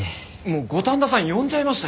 もう五反田さん呼んじゃいましたよ。